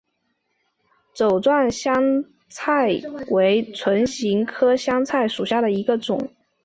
帚状香茶菜为唇形科香茶菜属下的一个种。